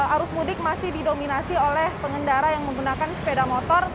arus mudik masih didominasi oleh pengendara yang menggunakan sepeda motor